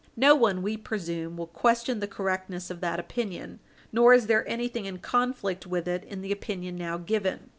No one, we presume, will question the correctness of that opinion; nor is there anything in conflict with it in the opinion now given.